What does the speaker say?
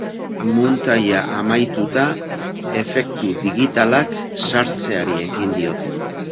Muntaia amaituta, efektu digitalak sartzeari ekin diote.